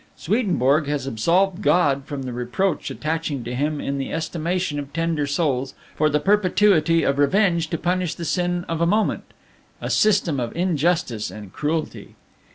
Swedenborg has absolved God from the reproach attaching to Him in the estimation of tender souls for the perpetuity of revenge to punish the sin of a moment a system of injustice and cruelty.